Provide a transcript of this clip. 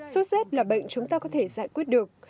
sốt rét là bệnh chúng ta có thể giải quyết được